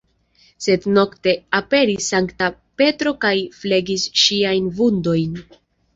Sed nokte aperis Sankta Petro kaj flegis ŝiajn vundojn.